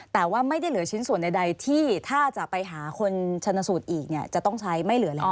แต่ว่าไม่ได้เหลือชิ้นส่วนใดที่ถ้าจะไปหาคนชนสูตรอีกเนี่ยจะต้องใช้ไม่เหลือแล้ว